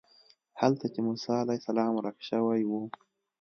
هلته چې موسی علیه السلام ورک شوی و.